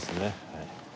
はい。